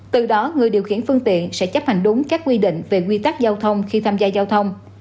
từ đó người điều khiển phương tiện sẽ chấp hành đúng các quy định về quy tắc giao thông khi tham gia giao thông